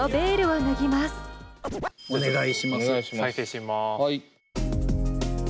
はい。